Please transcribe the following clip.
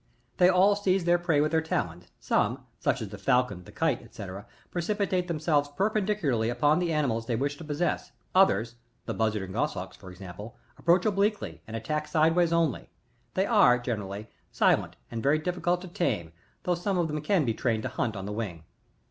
30. They all seize their prey with their talons ; some, (suc^ as the Falcon, the Kite, <&c ) precipitate themselves perpendicu« larly upon the animals they wish to possess ; others, (the Buz zard and Goshawks, for example) approach obliquely and attack sidewise only. They are, generally, silent and very difficult to tame, although some of them can be trained to hunt on the wing.